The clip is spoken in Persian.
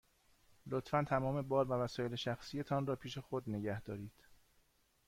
لطفاً تمام بار و وسایل شخصی تان را پیش خود نگه دارید.